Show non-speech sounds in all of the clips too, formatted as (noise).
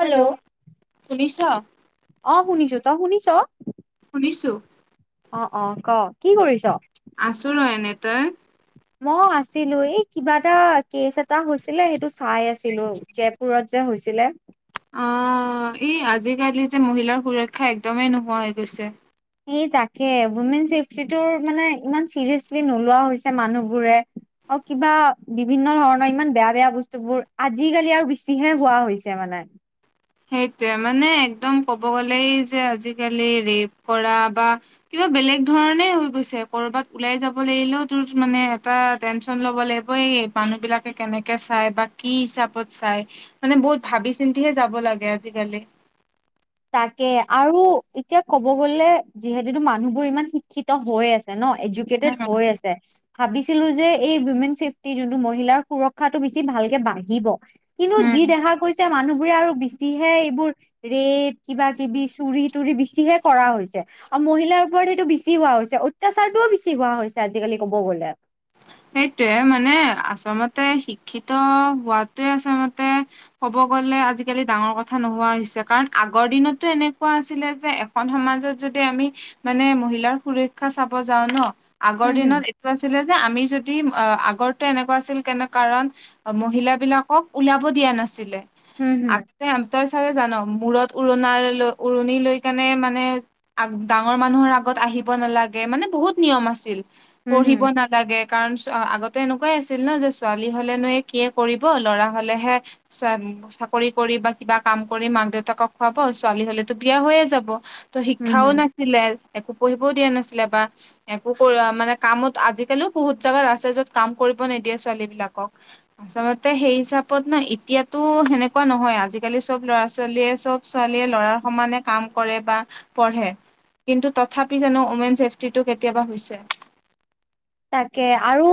Hello শুনিছ। অ', শুনিছোঁ ত শুনিছ। শুনিছোঁ। অ', অ', ক কি কৰিছ? আছোঁ ৰ এনে তই? মই আছিলোঁ এই কিবা এটা কেচ এটা হৈছিলে সেইটো চাই আছিলোঁ জয়পুৰত যে হৈছিলে। অ', ই আজিকালি যে মহিলাৰ সুৰক্ষা একদমেই নোহোৱা হৈ গৈছে। এই তাকে উইমেন চছেফটিটো মানে ইমান চিৰিয়াচলি নোলোৱা হৈছে মানুহবোৰে। আৰু কিবা বিভিন্ন ধৰণৰ ইমান বেয়া, বেয়া বস্তুবোৰ আজিকালি আৰু বেছিহে হোৱা হৈছে মানে সেইটোৱে মানে একদম ক'ব গ'লে যে আজিকালি ৰেপ কৰা বা কিবা বেলেগ ধৰণে হৈ গৈছে কৰ'বাত ওলাই যাব লাগিলেও তোৰ মানে এটা টেনশ্যন ল'ব লাগিব এই মানুহবিলাকে কেনেকে চায় বা কি হিচাপত চায় মানে বহুত ভাবি চিন্তিহে যাব লাগে আজিকালি। তাকে আৰু এতিয়া ক'ব গ'লে যিহেতুটো মানুহবোৰ ইমান শিক্ষিত হৈ আছে ন এ ক্ৰিকেটড উম হৈ আছে। ভাবিছিলোঁ যে এই উইমেন চছেফটি যোনটো মহিলাৰ সুৰক্ষাটো বেছি ভালকে বাঢ়িব। কিন্তু যি উম দেখা গৈছে মানুহবোৰে আৰু বেছিহে এইবোৰ ৰেট কিবা কিবি চুৰি তুৰি বেছিহে কৰা হৈছে। আৰু মহিলাৰ ওপৰত এইেইটো বেছি হোৱা হৈছে অত্যাচাৰটোও বেছি হোৱা হৈছে আজিকালি ক'ব গ'লে। সেইটোয়ে মানে আচলতে শিক্ষিত হোৱাতোৱে আচলতে ক'ব গ'লে আজিকালি ডাঙৰ কথা নোহোৱা হৈছে কাৰণ আগৰ দিনতো এনেকুৱা আছিলে যে সমাজত যদি আমি মানে মহিলাৰ সুৰক্ষা চাব যাওঁ ন আগৰ উম হুম, দিনত এইটো আছিলে যে আমি যদি আগত এনেকুৱা আছিল কেনে কাৰণ মহিলা বিলাকক ওলাব দিয়া নাছিলে উম হুম, তই চাগে জান মূৰত উৰণ ল উৰণি লৈ কেনে মানে ডাঙৰ মানুহৰ আগত আহিব নালাগে মানে বহুত নিয়ম আছিল উম হুম, পঢ়িব ন লাগে কাৰণ আগতে এনেকুৱাই আছিল ন যে ছোৱালী হলেনো এই কিয় কৰিব ল'ৰা হলেহে চাৰ (unintelligible) চাকৰি কৰি বা কিবা কাম কৰি মাক দেউতাকক খুৱাব ছোৱালী হলেতো বিয়া হৈয়ে যাব। ত উম শিক্ষাও হুম। নাছিলে একো পঢ়িবও দিয়া নাছিলে বা একো মানে কামত আজি কেলো বহুত জাগাত আছে য'ত কাম কৰিব নিদিয়ে ছোৱালী বিলাকক আচলতে সেই হিচাপত ন এতিয়াতো সেনেকুৱা নহয় আজিকালি চব ল'ৰা ছোৱালীয়ে চব ছোৱালীয়ে ল'ৰাৰ সমানে কাম কৰে বা পঢ়ে কিন্তু তথাপি জানো ওমেন ছেফটিটো কেতিয়াবা হৈছে তাকে আৰু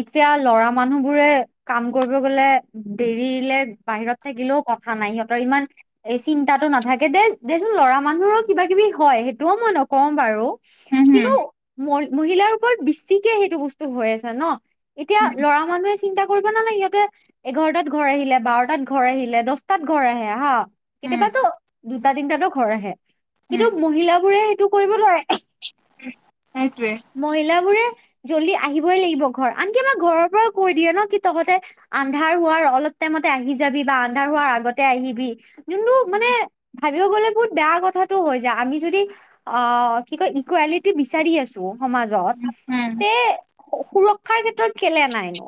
এতিয়া ল'ৰা মানুহ বোৰে কাম কৰিব গ'লে দেৰিলে বাহিৰত থাকিলেও কথা নাই সিহঁতৰ ইমান এই চিন্তাটো নাথাকে দেই দেচোন ল'ৰা মানুহৰো কিবা কিবি হয় সেইটোও মই নকওঁ বাৰু। উম, কিন্তু হম, ম মহিলাৰ ওপৰত বেছিকে সেইটো বস্তু হৈ আছে ন এতিয়া উম, ল'ৰা মানুহে চিন্তা কৰিব নালাগে সিহঁতে এঘাৰটাত ঘৰ আহিলে বাৰটাত ঘৰ আহিলে দহটাত ঘৰ আহে হা উম, কেতিয়াবাতো দুটা তিনটাতো ঘৰ আহে উম, কিন্তু মহিলাবোৰে সেইটো কৰিব নোৱাৰে সেইটোৱে মহিলাবোৰে জল্দি আহিবই লাগিব ঘৰ আনকি আমাৰ ঘৰৰ পৰাও কৈ দিয়ে ন কি তহতে আন্ধাৰ হোৱাৰ অলপ টাইমতে আহি যাবি বা আন্ধাৰ হোৱাৰ আগতে আহিবি কিন্তু মানে ভাবিব গ'লে বহুত বেয়া কথাটো হৈ যায় আমি যদি অ কি কয় ইকুৱেলিটি বিচাৰি আছো সমাজত। উম সু সুৰক্ষাৰ ক্ষেত্ৰত কেলে নাই নো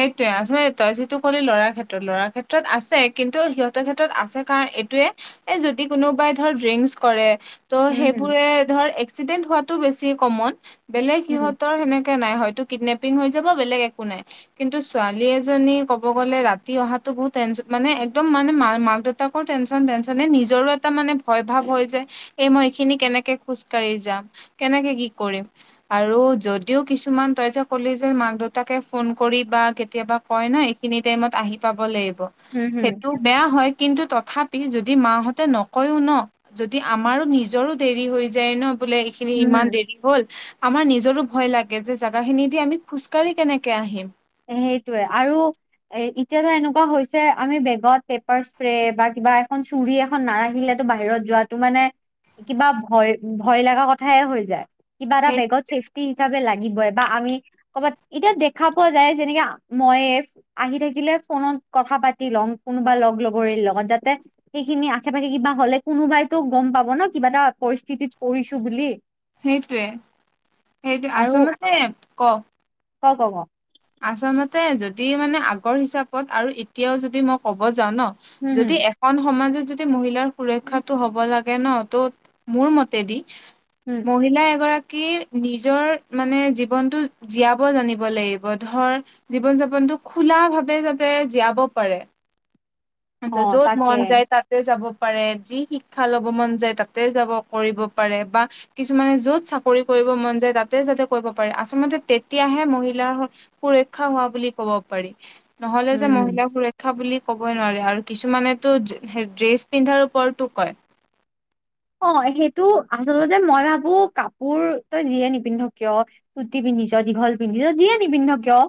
সেইটোৱে আছয়ে তই যিটো কলি ল'ৰাৰ ক্ষেত্ৰত ল'ৰাৰ ক্ষেত্ৰত আছে কিন্তু সিহঁতৰ ক্ষেত্ৰত আছে কাৰণ এইটোৱে এ যদি কোনোবাই ধৰ ড্ৰিংকচ কৰে ত' হম হম সেইবোৰে ধৰ এক্সিডেন্ট হোৱাতো বেছি কমন বেলেগ সিহঁতৰ সেনেকে নাই হয়তো কিডনেপিং হৈ যাব বেলেগ একো নাই। কিন্তু ছোৱালী এজনী ক'ব গ'লে ৰাতি অহাতো বহুত টেনচন মানে একদম মানে মা মাক দেউ- তাকৰ টেনচন টেনচনে নিজৰো এটা মানে ভয় ভাৱ হয় যে এই মই এইখিনি কেনেকে খোজ কাঢ়ি যাম কেনেকে কি কৰিম আৰু যদিও কিছুমান তই যে কলি যে মাক দেউতাকে ফোন কৰি বা কেতিয়াবা কয় ন এইখিনি টাইমত আহি পাব লাগিব হম হম সেইটো হম বেয়া হয় কিন্তু তথাপি যদি মাহঁতে নকয়ও ন যদি আমাৰো নিজৰো দেৰি হৈ যায় ন বোলে, খিনি হম ইমান দেৰি হ'ল আমাৰ নিজৰো ভয় লাগে যে জাগা খিনি দি আমি খোজকাঢ়ি কেনেকে আহিম সেইটোৱে আৰু এ এতিয়া ধৰ এনেকুৱা হৈছে আমি বেগত পেপাৰ স্প্ৰে বা কিবা এখন চুৰি এখ- খন নাৰাখিলেতো বাহিৰত যোৱাটো মানে কিবা ভয় ভয় লগা কথাই হৈ যায়। কিবা এটা সেই বেগত চেফটি হিচাপে লাগিবই বা আমি কৰ'বাত এতিয়া দেখা- পোৱা যায় যেনেকে আ মইয়ে আহি থাকিলে ফোনত কথা পাতি লং কোনোবা লগ লগৰী লগত যাতে, সেইখিনি আশে পাশে কিবা হ'লে কোনোবাইতো গম পাব ন কিবা এটা পৰিস্থিতিত পৰিছো বুলি। সেইটোৱে সেইটোৱে আৰু আছলতে কওক ক ক ক আচলতে যদি মানে আগৰ হিচাপত আৰু এতিয়াও যদি মই ক'ব যাওঁ ন হম হম যদি এ- এখন সমাজত যদি মহিলাৰ সুৰক্ষাটো হ'ব লাগে ন ত মোৰ মতেদি উম মহিলা এগৰাকী নিজৰ মানে জীৱনটো জীয়াব জানিব লাগিব। (unintelligible) ধৰ জীৱন-যাপনটো খোলা ভাৱে যাতে জীয়াব পাৰে। অ (unintelligible) য'ত তাকে মন যাই তাত (unintelligible) যাব পাৰে, যি শিক্ষা ল'ব মন যায় তাতে যাব কৰিব পাৰে বা কিছুমানে য'ত চাকৰি কৰিব মন যায় তাতে যাতে কৰিব পাৰে আচলতে তেতিয়াহে মহিলাৰ (unintelligible) সুৰক্ষা হোৱা বুলি কব পাৰি। নহলে যে উম মহিলা সুৰক্ষা (unintelligible) সুৰক্ষা বুলি ক'বই নোৱাৰি আৰু কিছুমানেতো (unintelligible) ড্ৰেছ পিন্ধাৰ ওপৰতো কয়। অঁ! সেইটো আচলতে মই ভাবো কাপোৰ তই যিয়ে নিপিন্ধ কিয় (unintelligible) চুটি পিন্ধিছ, দীঘল পিন্ধিছ যিয়ে নিপিন্ধ কিয়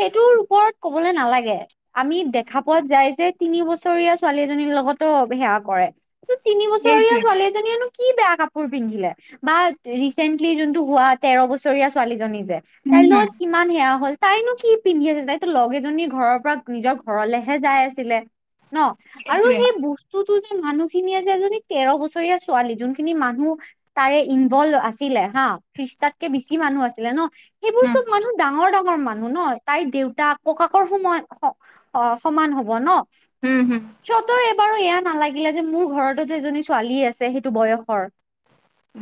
সেইটোৰ ওপৰত কবলৈ নালাগে। (unintelligible) আমি দেখা পোৱা যায় যে তিনি বছৰীয়া ছোৱালীজনীৰ লগতো সেয়া কৰে। (unintelligible) (unintelligible) তিনি বছৰীয়া সেইটোৱে ছোৱালী এজনীয়েনো কি বেয়া কাপোৰ পিন্ধিলে। বা ৰিচেন্টলি যোনটো হোৱা তেৰ বছৰীয়া ছোৱালীজনী যে উম তাই হম লগত কিমান সেয়া হ'ল (unintelligible) তাইনো কি পিন্ধি আছিল তাইতো লগ এজনীৰ ঘৰৰ পৰা নিজৰ ঘৰলেহে যাই আছিলে। (unintelligible) ন' আৰু সেইটোৱে সেই বস্তুটো যে মানুহখিনিয়ে যে এজনী তেৰ বছৰ (unintelligible) বছৰীয়া ছোৱালী যোনখিনি মানুহ তাৰে ইনভল্ভ আছিলে হা (unintelligible) ত্ৰিছ তাত কে বেছি মানুহ আছিলে ন। সেইবোৰ উম চব মানুহ ডাঙৰ-ডাঙৰ মানুহ ন' তাইৰ দেউতাক (unintelligible) ককাকৰ সময় (unintelligible) সমান হব ন' হম হম সিহঁতৰ এই (unintelligible) বাৰু এয়া নালাগিলে যে মোৰ ঘৰতো যে এজনী ছোৱালী আছে সেইটো বয়সৰ। (unintelligible)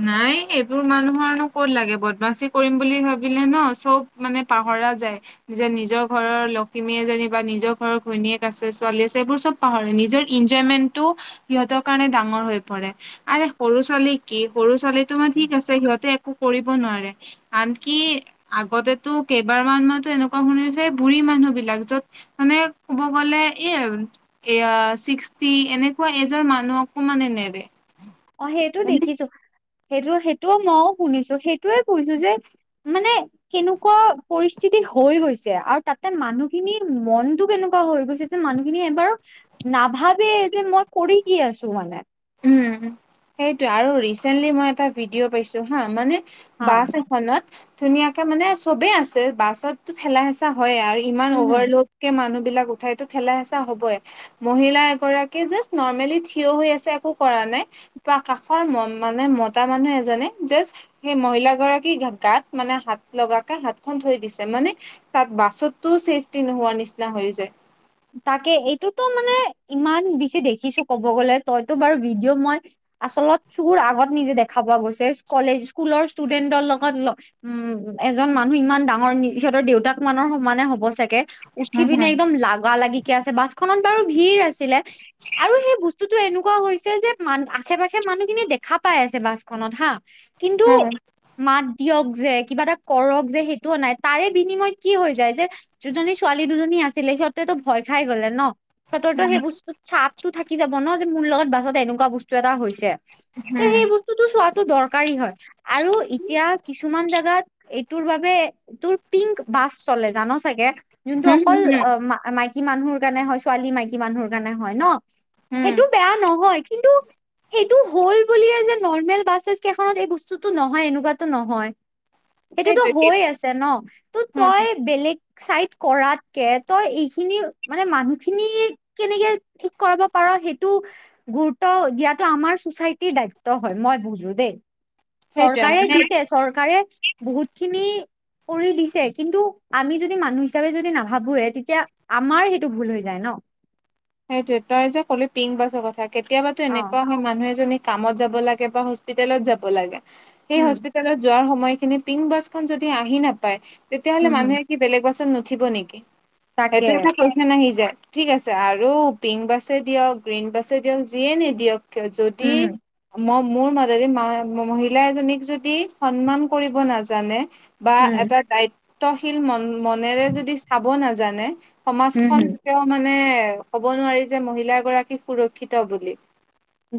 নাই সেইবোৰ মানুহৰনো ক'ত লাগিব, বদমাচি কৰিম বুলি ভাবিলে ন' চব (unintelligible) মানে পাহৰা যায় (unintelligible) যে নিজৰ ঘৰৰ লখিমী এজনী বা নিজৰ ঘৰৰ ঘৈণীয়েক আছে, ছোৱালী আছে এইবোৰ চব (unintelligible) পাহৰে নিজৰ এনজয়মেন্টটো সিহঁতৰ কাৰণে ডাঙৰ হৈ পৰে। আৰে সৰু ছোৱালীক (unintelligible) কি সৰু ছোৱালী তোমাৰ ঠিক আছে সিহঁতে একো কৰিব নোৱাৰে। (unintelligible) আনকি আগতেতো কেইবাৰ মান মইটো এনেকুৱা শুনিছোঁ বুঢ়ী মানুহ বিলাক য'ত (unintelligible) মানে ক'ব গ'লে এয়াই আৰু (unintelligible) এয়া ছিক্সটি এনেকুৱা এজৰ মানুহকো মানে নেৰে। (unintelligible) অঁ সেইটো মানে দেখিছো, সেইটো-সেইটোও মইও শুনিছোঁ, সেইটোৱেই কৈছো যে (unintelligible) মানে (inaudible) কেনেকুৱা পৰিস্থিতি হৈ গৈছে আৰু তাতে মানুহখিনিৰ মনটো কেনেকুৱা হৈ গৈছে (unintelligible) মানুহখিনি এবাৰো নাভাবেই যে মই কৰি কি আছো মানে। (unintelligible) উম! সেইটোৱেই আৰু ৰিচেন্টলি মই এটা ভিডিঅ' পাইছো হা মানে হা বাছ আহিছে (unintelligible) খনত ধুনীয়াকে মানে চবে আছে বাছতো ঠেলা-হেঁচা হয়েই আৰু ইমান উম হম অভাৰলোড (unintelligible) কে মানুহবিলাক উঠাই ত ঠেলা-হেচা হবই (unintelligible) মহিলা এগৰাকী জাষ্ট নৰ্মেলি থিয় হৈ আছে একো কৰা নাই। (unintelligible) (unintelligible) কিবা কাষৰ মানে মতা মানুহ এজনে জাষ্ট (inaudible) সেই মহিলাগৰাকী গাত মানে হাত লগাকে হাতখন থৈ দিছে মানে (unintelligible) তাত বাছতো চেফট্ৰি নোহোৱা নিচিনা হৈ গৈছে। (unintelligible) তাকে এইটোতো মানে ইমান বেছি দেখিছো ক'ব গ'লে তইতো বাৰু ভিডিঅ' মই (unintelligible) আচলত চোৰ আগত নিজে দেখা পোৱা গৈছে। কলেজ, স্কুলৰ ষ্টুডেন্টৰ লগত (unintelligible) উম! এজন মানুহ ইমান ডাঙৰ সিহঁতৰ দেউতাক মানৰ সমানে হ'ব চাগে (unintelligible) উঠি উম, হম, হম, পিনে একদম লাগা-লাগিকে আছে, বাছখনত বাৰু ভিৰ আছিলে। (inaudible) আৰু সেই বস্তুটো এনেকুৱা হৈছে যে মান আশে-পাশে মানুহখিনি দেখা পাই আছে বাছখনত হা (unintelligible) কিন্তু (inaudible) মাত দিয়ক যে, কিবা এটা কৰক যে সেইটোও নাই তাৰে বিনিময়ত কি হৈ যায় যে (unintelligible) (unintelligible) জনী ছোৱালী দুজনী আছিলে সিহঁতেতো ভয় খাই গলে ন সিহঁতৰতো সেই বস্তু (unintelligible) চাপটো থাকি যাব ন' যে মোৰ লগত বাছত এনেকুৱা বস্তু এটা হৈছে। ত' সেই বস্তু (unintelligible) এইটো টো চোৱাটো দৰকাৰী হয় আৰু এতিয়া কিছুমান জোগাত এই- তোৰ বাবে তোৰ পিংক বাছ চলে জান চাগে যোনটো হম, হম, অকল হম, হম। - মাইকী মানুহৰ কাৰণে হয় ছোৱালী মাইকী মানুহৰ কাৰণে হয় ন'- উম, সেইটো বেয়া নহয় কিন্তু- সেইটো হ'ল বুলিয়ে যে নৰ্মেল বাছেছ কেইখনত এই বস্তুটো নহয় এনেকুৱাতো নহয়। সেইটোতো সেইটোৱে হৈ আছে ন, ত' উম তই বেলেগ- ছাইড কৰাতকে তই এই - খিনি, মানে মানুহখিনি কেনেকে ঠিক কৰাব পাৰ সেইটো- গুৰুত্ব দিয়াতটো আমাৰ চচাইটিৰ দায়িত্ব হয়, মই বুজো দেই। সেইটোয়ে চৰকাৰে মানে দিছে চৰকাৰে বহুত খিনি- কৰি দিছে, কিন্তু আমি যদি মানুহ হিচাপে যদি নাভাবো তেতিয়া - আমাৰ সেইটো ভুল হৈ যায় ন। সেইটোয়ে, তই যে ক'লি পিংক বাছৰ কথা কেতিয়াবাতো অ এনেকুৱা হয় মানুহ এজনী - কামত যাব লাগে বা হস্পিতেলত যাব লাগে, সেই উম হস্পি- তেলত যোৱাৰ সময়খিনি পিংক বাছখন যদি আহি নাপায়, তেতিয়াহলে হম হম মানুহে- কি বেলেগ বাছত নুঠিব নেকি? তাকে সেইটো এটা কুৱেশ্যন আহি যায়। ঠিক আছে - আৰু পিংক বাছে দিয়ক, গ্ৰীণ বাছে দিয়ক, যিয়ে নিদিয়ক কিয় যদি উম - মই মোৰ মনেদি মানে মহিলা এজনীক যদি সন্মান কৰিব নাজানে- বা, উম, এটা দায়িত্বশীল মন মনেৰে যদি চাব নাজানে উম, সমাজখন - হম কেতিয়াও মানে ক'ব নোৱাৰি যে মহিলাগৰাকীক সুৰক্ষিত বুলি।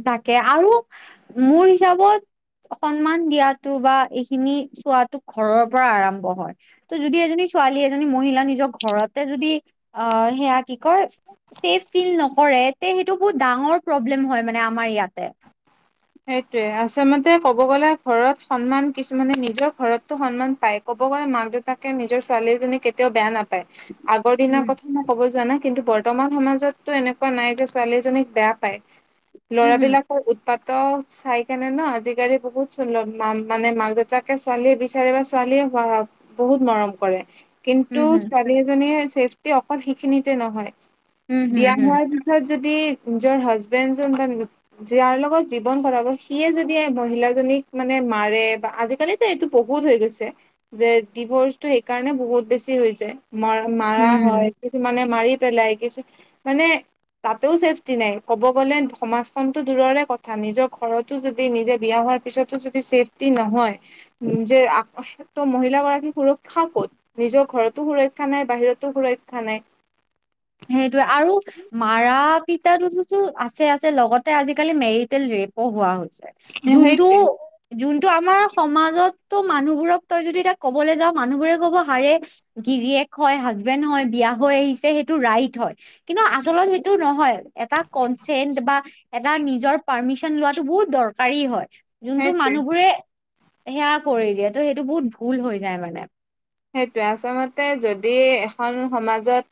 তাকে আৰু মোৰ হিচাপত। সন্মান দিয়াটো বা এইখিনি চোৱাতো ঘৰৰ পৰা আৰম্ভ হয়। ত যদি এজনী ছোৱালী এজনী মহিলা নিজৰ ঘৰতে যদি আহ সেয়া কি কয় - ছেভ ফিল নকৰে তে সেইটো বহুত ডাঙৰ প্ৰব্লেম হয় মানে আমাৰ ইয়াতে। সেইটোৱে আচলমতে ক'ব গ'লে ঘৰত সন্মান কিছুমানে নিজৰ ঘৰতো সন্মান পায়। ক'ব গ'লে মাক দেউতাকে নিজৰ ছোৱালীজনী কেতিয়াও বেয়া নাপায়। পায়, আগৰ দিনৰ উম। কথা মই ক'ব যোৱা নাই কিন্তু বৰ্ত- বৰ্তমান সমাজততো এনেকুৱা নাই যে ছোৱালীজনীক বেয়া পায়, উম, লৰা হম, বিলাকৰ উৎপাত- ত চাই কেনে ন আজিকালি বহুত ছোৱালী মানে মাক দেউতাকে ছোৱালী বিচাৰে বা- ছোৱালীয়ে হোৱা বহুত মৰম কৰে। কিন্তু উম, হম, ছোৱালী এজনীয়ে ছেভটি অকল সেইখিনিতে নহয় উম, হম, বিয়া হম, হোৱাৰ- বিয়া হোৱাৰ পিছত যদি নিজৰ হাজবেণ্ড যোনজন যাৰ লগত - জীৱন কটাব সিয়ে যদি মহিলাজনীক মানে মাৰে বা আজিকালিতো এইটো বহুত হৈ গৈছে। যে ডিভৰ্চটো সেইকাৰণে বহুত বেছি হৈছে। মা মাৰা উম। হয় - কিছুমানে মাৰি পেলাই, কিছু - মানে তাতেও চেভটি নাই, ক'ব গ'লে সমাজখন তো দূৰৰে কথা। কথা, নিজৰ ঘৰতো যদি নিজে বিয়া হোৱাৰ পিছতো যদি চেভটি নহয়, নিজে - ত' মহিলাগৰাকী সুৰক্ষা কত, নিজৰ ঘৰতো সুৰক্ষা নাই বাহিৰতো সুৰক্ষা নাই। সেইটোৱে, আৰু- মাৰা পিতাটো টো আছে, আছে লগতে আজিকালি মেৰিটেল ৰেপো হোৱা হৈছে। সেইটোৱে যোনটো- যোনটো আমাৰ সমাজতো মানুহবোৰক তই যদি এতিয়া কবলে যাও মানুহবোৰে ক'ব হাৰে- গিৰিয়েক হয়, হাজবেণ্ড হয়, বিয়া হৈ আহিছে সেই- টো ৰাইট হয়, কিন্তু আচলত সেইটো নহয়। এটা কনচেন্ট বা এটা নিজৰ পাৰ্মিশ্যন লোৱাটো বহুত দৰকাৰী হয়। যোনটো সেইটোৱে মানুহবোৰে সেয়া কৰি দিয়ে ত' সেইটো বহুত ভুল হৈ যায় মানে সেইটোৱে আচলমতে যদি এখন সমাজত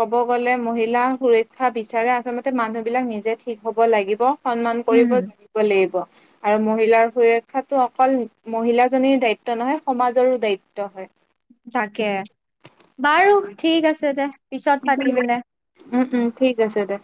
ক'ব গ'লে মহিলাৰ সুৰক্ষা বিচাৰে আচলতে মানুহ বিলাক নিজে ঠিক হ'ব লাগিব। সন্মান উম, কৰিব হুম। জিব লাগিব। আৰু মহিলাৰ সুৰক্ষাতো অকল মহিলাজনীৰ দায়িত্ব নহয় সমাজৰো দায়িত্ব হয়। তাকে বাৰু ঠিক আছে দে পিছত পাতিম দে। উম, উম ঠিক আছে দে।